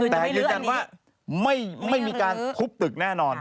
แต่ยืนยันว่าไม่มีการทุบตึกแน่นอน